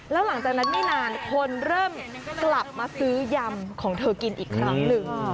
แล้วหลังจากนั้นไม่นานคนเริ่มกลับมาซื้อยำของเธอกินอีกครั้งหนึ่ง